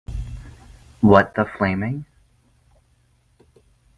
What the flaming.